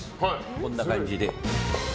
こんな感じで。